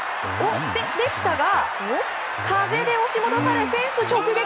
でしたが、風で押し戻されフェンス直撃！